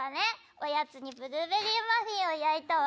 おやつにブルーベリーマフィンを焼いたわ。